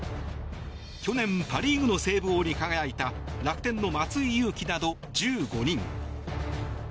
去年パ・リーグのセーブ王に輝いた楽天の松井裕樹など１５人。